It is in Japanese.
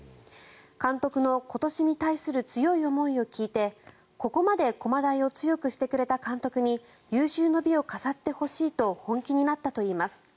監督の今年に対する強い思いを聞いてここまで駒大を強くしてくれた監督に有終の美を飾ってほしいと本気になったといいます。